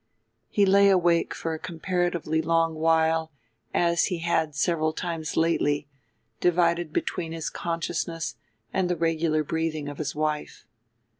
He lay awake for a comparatively long while, as he had several times lately, divided between his consciousness and the regular breathing of his wife.